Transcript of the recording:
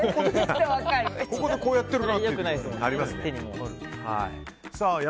ここでこうやってる。